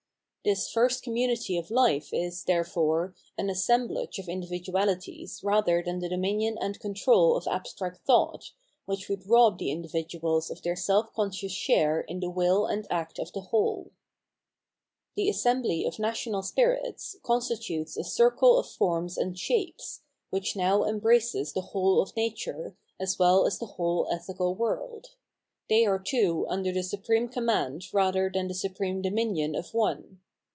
This first community of life is, therefore, an assemblage of individuahties rather than the dominion and control of abstract thought, which would rob the individuals of their self conscious share in the will and act of the whole. The assembly of national spirits constitutes a circle of forms and shapes, which now embraces the whole of nature, as well as the whole ethical world. They are too under the supreme command rather than the supreme dominion of one.